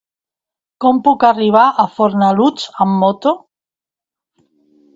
Com puc arribar a Fornalutx amb moto?